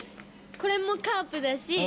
これもカープだし